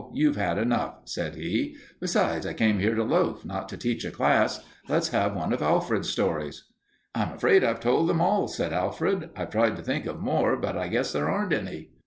You've had enough," said he. "Besides, I came here to loaf, not to teach a class. Let's have one of Alfred's stories." "I'm afraid I've told them all," said Alfred. "I've tried to think of more, but I guess there aren't any."